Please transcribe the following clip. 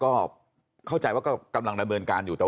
ที่เข้าใจว่ากำลังจะบรรยายการ